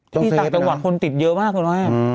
ที่ต่างจังหวัดคนติดเยอะมากคุณแม่